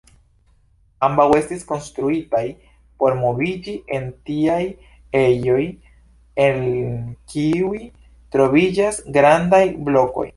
Ambaŭ estis konstruitaj por moviĝi en tiaj ejoj, en kiuj troviĝas grandaj blokoj.